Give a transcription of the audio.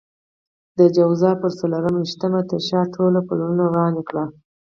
د جوزا پر څلور وېشتمه تر شا ټول پلونه وران کړئ.